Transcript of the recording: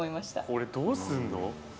これどうすんの？